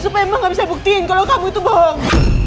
supaya emang gak bisa buktiin kalau kamu itu bohong